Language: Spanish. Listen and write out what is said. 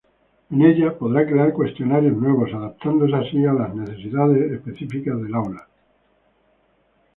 En ella, podrá crear cuestionarios nuevos, adaptándose así a las necesidades específicas del aula.